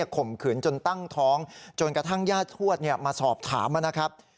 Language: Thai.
ข่มขืนจนตั้งท้องจนกระทั่งญาติทวดมาสอบถามนะครับ